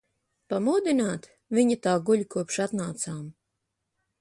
Pamodināt? Viņa tā guļ, kopš atnācām.